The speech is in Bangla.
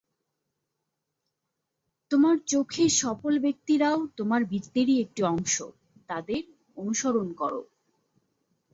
তোমার চোখে সফল ব্যক্তিরাও তোমার বৃত্তেরই একটি অংশ, তাঁদের অনুসরণ করো।